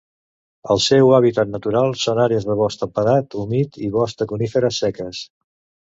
El seu hàbitat natural són àrees de bosc temperat humit i bosc de coníferes seques.